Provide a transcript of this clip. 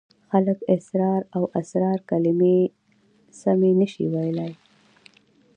خلک اسرار او اصرار کلمې سمې نشي ویلای.